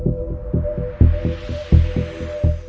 โปรดติดตามตอนต่อไป